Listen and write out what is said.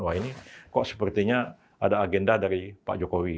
wah ini kok sepertinya ada agenda dari pak jokowi